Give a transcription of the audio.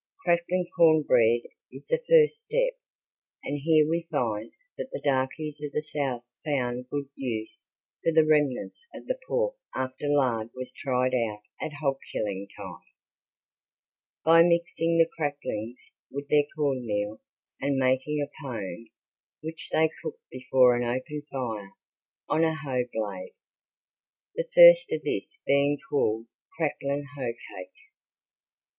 Crackling corn bread is the first step, and here we find that the darkies of the South found good use for the remnants of the pork after lard was tried out at hog killing time, by mixing the cracklings with their corn meal and making a pone which they cooked before an open fire on a hoe blade, the first of this being called "cracklin' hoe cake."